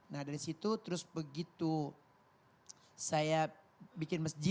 nah dari situ terus begitu saya bikin masjid